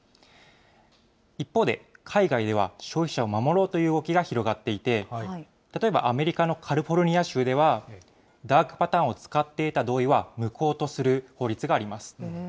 一方で、海外では、消費者を守ろうという動きが広がっていて、例えばアメリカのカリフォルニア州では、ダークパターンを使って得た同意は無効とする法律があります。